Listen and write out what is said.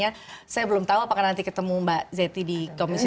jadi ruu ini kedepannya saya belum tahu apakah nanti ketemu mbak zetty di komisi sepuluh